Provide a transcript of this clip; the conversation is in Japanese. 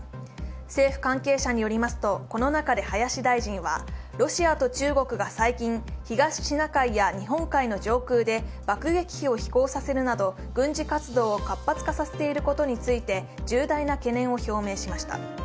政府関係者によりますとこの中で林大臣はロシアと中国が最近、東シナ海や日本海の上空で爆撃機を飛行させるなど、軍事活動を活発化させていることについて重大な懸念を表明しました。